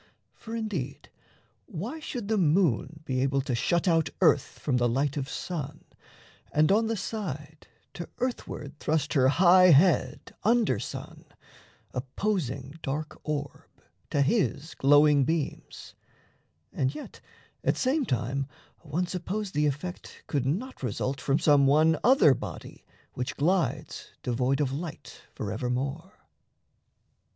For, indeed, Why should the moon be able to shut out Earth from the light of sun, and on the side To earthward thrust her high head under sun, Opposing dark orb to his glowing beams And yet, at same time, one suppose the effect Could not result from some one other body Which glides devoid of light forevermore?